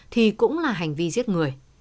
thì cũng là hành vi giết người